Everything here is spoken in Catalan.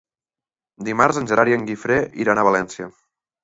Dimarts en Gerard i en Guifré iran a València.